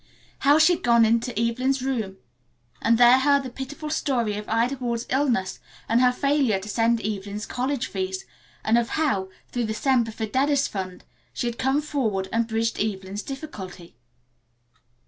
How she had gone to Evelyn's room and there heard the pitiful story of Ida Ward's illness and her failure to send Evelyn's college fees, and of how, through the Semper Fidelis Fund, she had come forward and bridged Evelyn's difficulty.